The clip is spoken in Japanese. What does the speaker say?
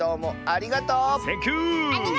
ありがとう！